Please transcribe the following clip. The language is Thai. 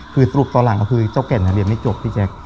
คือสรุปตอนหลังก็คือเจ้าแก่นเรียนไม่จบพี่แจ๊ค